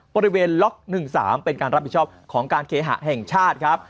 ล็อก๑๓เป็นการรับผิดชอบของการเคหะแห่งชาติครับ